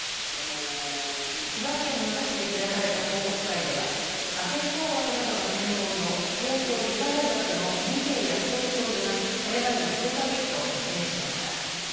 千葉県野田市で開かれた報告会では河川工学などが専門の東京理科大学の二瓶泰雄教授がこれまでの調査結果を説明しました。